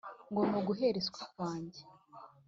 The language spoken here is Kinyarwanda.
ngo ni uguhera iswa kwanjye,